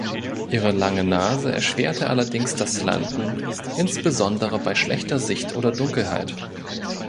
Ihre lange Nase erschwerte allerdings das Landen, insbesondere bei schlechter Sicht oder Dunkelheit.